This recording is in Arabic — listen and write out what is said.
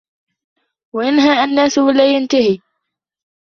وَيَنْهَى النَّاسَ وَلَا يَنْتَهِي